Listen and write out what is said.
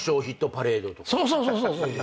そうそうそうそう。